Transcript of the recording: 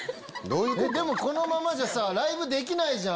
でもこのままじゃさライブできないじゃん。